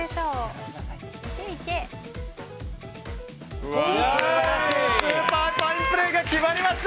スーパーファインプレーが決まりました！